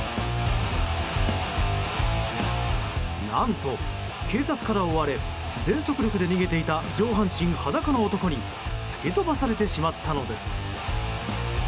何と、警察から追われ全速力で逃げていた上半身裸の男に突き飛ばされてしまったのです。